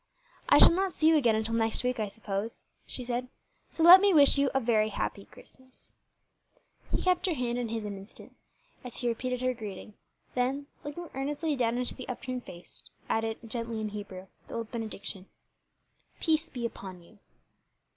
"I shall not see you again until next week, I suppose," she said, "so let me wish you a very happy Christmas." He kept her hand in his an instant as he repeated her greeting, then, looking earnestly down into the upturned face, added gently in Hebrew, the old benediction "Peace be upon you."